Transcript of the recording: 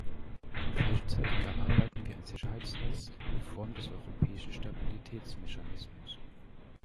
Gleichzeitig erarbeiten wir ein Sicherheitsnetz in Form des Europäischen Stabilitätsmechanismus.